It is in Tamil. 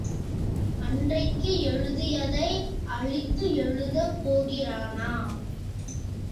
அன்றைக்கு எழுதியதை அழித்து எழுதப் போகிறானா?